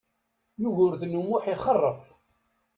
Yugurten U Muḥ ixeṛṛef.